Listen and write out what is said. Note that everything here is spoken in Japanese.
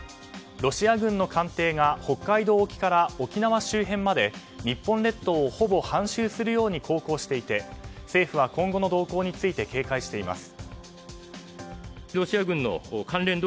ロシア軍の艦艇が北海道沖から沖縄周辺まで日本列島をほぼ半周するように航行していて政府は今後の動向について警戒しています。